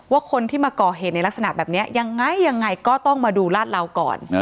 ว่าคนที่มาก่อเหตุในลักษณะแบบนี้ยังไงยังไงก็ต้องมาดูลาดเหลาก่อน